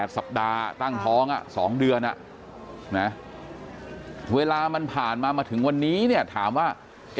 สัปดาห์ตั้งท้อง๒เดือนเวลามันผ่านมามาถึงวันนี้เนี่ยถามว่า